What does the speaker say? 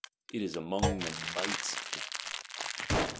It is among the Mights of Man.